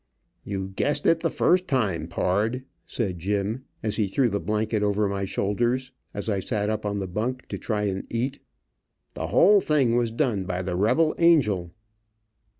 "You guessed it the first time, pard," said Jim, as he threw the blanket over my shoulders, as I sat up on the bunk to try and eat. "The whole thing was done by the rebel angel."